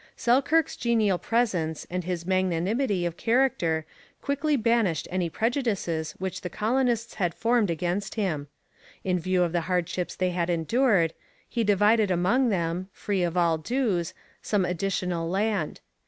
Selkirk's genial presence and his magnanimity of character quickly banished any prejudices which the colonists had formed against him. In view of the hardships they had endured, he divided among them, free of all dues, some additional land.